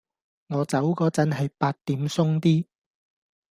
我走嗰陣係八點鬆啲